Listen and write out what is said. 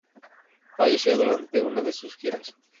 Falleció durante una de sus giras.